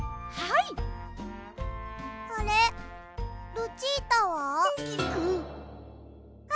ルチータは？